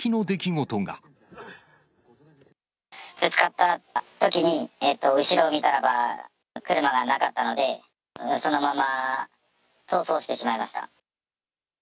ぶつかったときに、後ろを見たらば、車がなかったので、そのまま逃走してしまいました。